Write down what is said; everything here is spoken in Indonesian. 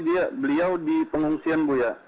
dia beliau di pengungsian bu ya